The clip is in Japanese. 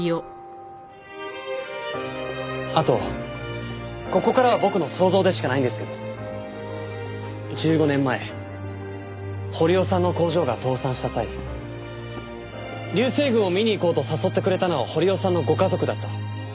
あとここからは僕の想像でしかないんですけど１５年前堀尾さんの工場が倒産した際流星群を見に行こうと誘ってくれたのは堀尾さんのご家族だった。